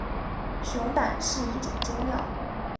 熊胆是一种中药。